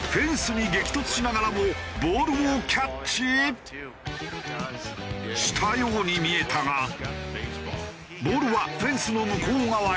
そしてしたように見えたがボールはフェンスの向こう側へ。